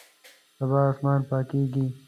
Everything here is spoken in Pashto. سبا اسمان پاکیږي